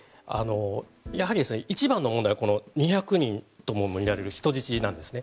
やはり一番の問題はこの２００人ともみられる人質なんですね。